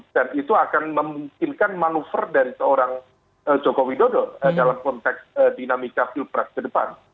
dan itu akan memungkinkan manuver dari seorang jokowi dodo dalam konteks dinamika pilpres ke depan